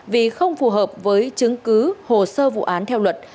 vì không phù hợp với chứng cứ hồ sơ vụ án theo luật